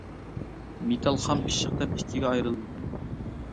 مېتال خام، پىششىق دەپ ئىككىگە ئايرىلىدۇ.